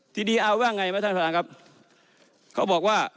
ซึ่งเป็นหน่วยงานกลางที่ทุกคนยอมรับ